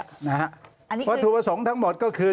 อันนี้คือวัตถุประสงค์ทั้งหมดก็คือ